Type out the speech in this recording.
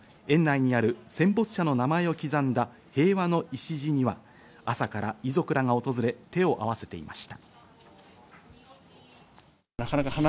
それでも園内にある戦没者の名前を刻んだ平和の礎には朝から遺族らが訪れ、手を合わせていました。